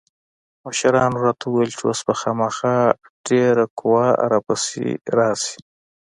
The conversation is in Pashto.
مشرانو راته وويل چې اوس به خامخا ډېره قوا را پسې راسي.